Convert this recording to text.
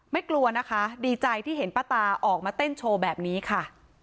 กลัวนะคะดีใจที่เห็นป้าตาออกมาเต้นโชว์แบบนี้ค่ะ